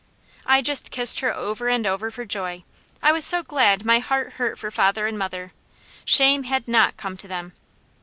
I just kissed her over and over for joy; I was so glad my heart hurt for father and mother. Shame had not come to them!